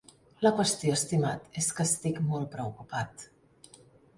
La qüestió, estimat, és que estic molt preocupat.